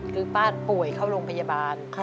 คือป้าป่วยเข้าโรงพยาบาล